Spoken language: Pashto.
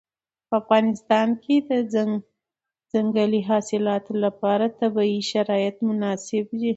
په افغانستان کې د ځنګلي حاصلاتو لپاره طبیعي شرایط مناسب دي.